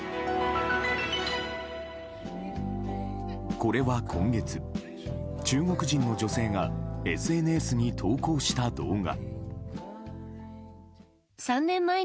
これは今月、中国人の女性がＳＮＳに投稿した動画。